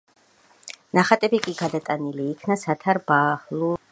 ნახატები კი გადატანილი იქნა სათარ ბაჰლულზადეს სახლში.